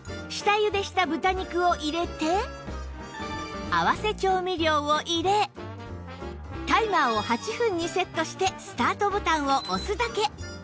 下ゆでした豚肉を入れて合わせ調味料を入れタイマーを８分にセットしてスタートボタンを押すだけ